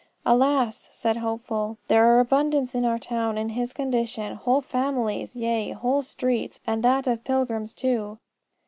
"Alas!" said Hopeful, "there are abundance in our town in his condition: whole families, yea, whole streets, and that of pilgrims too."